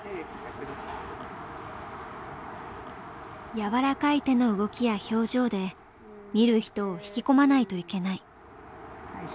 柔らかい手の動きや表情で見る人を引き込まないといけない。